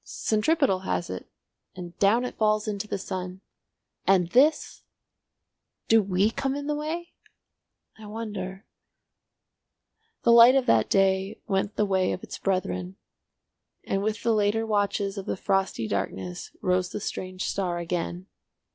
Centripetal has it, and down it falls into the sun! And this—! "Do we come in the way? I wonder—" The light of that day went the way of its brethren, and with the later watches of the frosty darkness rose the strange star again.